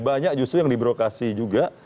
banyak justru yang di brokasi juga